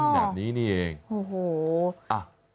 อ๋อแบบนี้นี่เองโอ้โห